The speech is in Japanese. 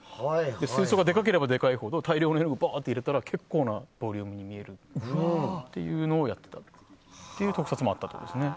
水槽が、でかければでかいほど大量の絵の具を入れたら結構なボリュームに見えるというのをやっていたというそういう特撮もありました。